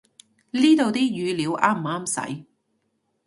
呢度啲語料啱唔啱使